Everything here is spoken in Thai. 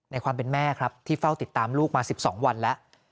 ความเป็นแม่ครับที่เฝ้าติดตามลูกมา๑๒วันแล้ว